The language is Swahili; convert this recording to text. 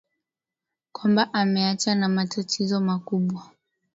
kwamba ameacha ma matatizo makubwa